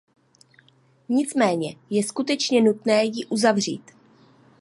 Nicméně je skutečně nutné ji uzavřít.